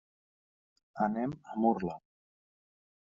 Anem a Murla.